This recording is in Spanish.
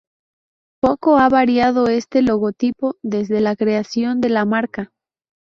Poco ha variado este logotipo desde la creación de la marca.